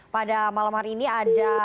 pada malam hari ini ada